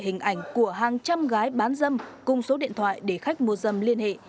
hình ảnh của hàng trăm gái bán dâm cùng số điện thoại để khách mua dâm liên hệ